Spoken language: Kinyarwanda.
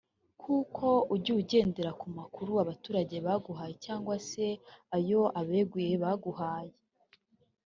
Kuko ugiye ugendera ku makuru abaturage baguhaye cyangwa se ayo abo beguye baguhaye